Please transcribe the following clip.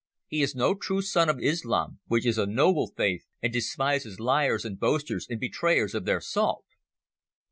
He is no true son of Islam, which is a noble faith and despises liars and boasters and betrayers of their salt."